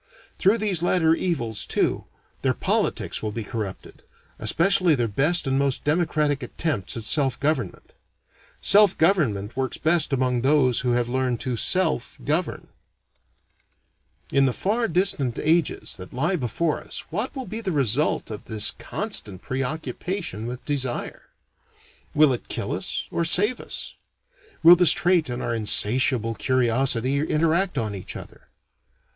Through these latter evils, too, their politics will be corrupted; especially their best and most democratic attempts at self government. Self government works best among those who have learned to self govern. In the far distant ages that lie before us what will be the result of this constant preoccupation with desire? Will it kill us or save us? Will this trait and our insatiable curiosity interact on each other?